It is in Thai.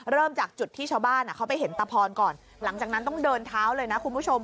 เริ่มจากจุดที่ชาวบ้านเขาไปเห็นตะพรก่อนหลังจากนั้นต้องเดินเท้าเลยนะคุณผู้ชม